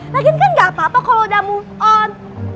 lagi kan gak apa apa kalau udah move on